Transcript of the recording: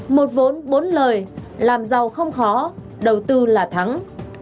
một vốn bốn lời làm giàu không khó đầu tư là thắng